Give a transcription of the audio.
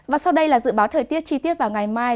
và sau đây là dự báo thời tiết chi tiết vào ngày mai